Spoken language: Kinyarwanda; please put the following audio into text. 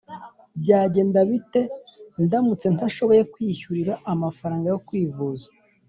Byagenda bite ndamutse ntashoboye kwiyishyurira amafaranga yo kwivuza